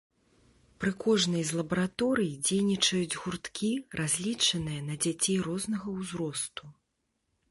Пры кожнай з лабараторый дзейнічаюць гурткі, разлічаныя на дзяцей рознага ўзросту.